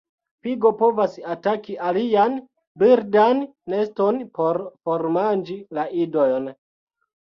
Pigo povas ataki alian birdan neston por formanĝi la idojn.